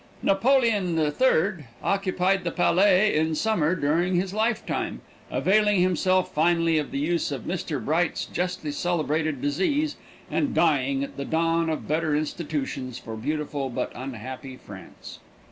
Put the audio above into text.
Napoleon III occupied the palais in summer during his lifetime, availing himself finally of the use of Mr. Bright's justly celebrated disease and dying at the dawn of better institutions for beautiful but unhappy France.